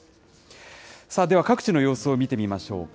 さあ、では各地の様子を見てみましょうか。